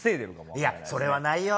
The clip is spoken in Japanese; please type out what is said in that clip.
いや、それはないよー。